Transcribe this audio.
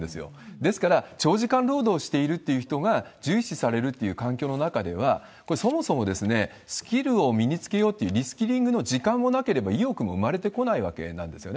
ですから、長時間労働をしているという人が重視されるという環境の中では、これ、そもそもスキルを身につけようというリスキリングの時間もなければ意欲も生まれてこないわけなんですよね。